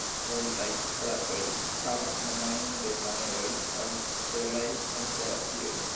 Multaj stratoj havas nomojn de planedoj aŭ stelaj konstelacioj.